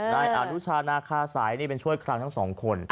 นายอนุชานาคาสายนี่เป็นช่วยคลังทั้งสองคน